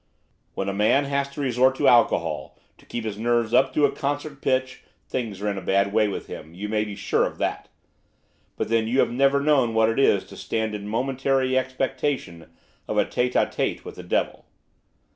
'When a man has to resort to alcohol to keep his nerves up to concert pitch, things are in a bad way with him, you may be sure of that, but then you have never known what it is to stand in momentary expectation of a tête à tête with the devil.